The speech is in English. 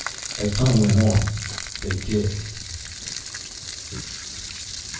As time went on, they did.